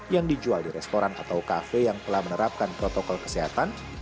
yang dijual di restoran atau kafe yang telah menerapkan protokol kesehatan